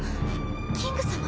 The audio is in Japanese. キング様？